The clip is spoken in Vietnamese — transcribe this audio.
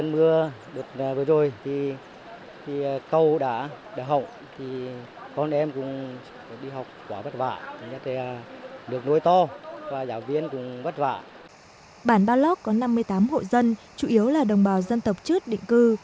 bản barlog có năm mươi tám hộ dân chủ yếu là đồng bào dân tộc trước định cư